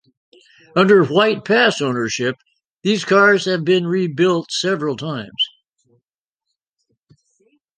Under White Pass ownership, these cars have been rebuilt several times.